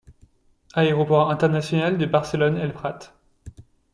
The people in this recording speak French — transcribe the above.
Aéroport international de Barcelone-El Prat.